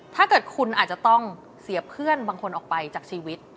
ถ้าเกิดคุณอาจจะต้องเสียเพื่อนบางคนออกไปจากชีวิต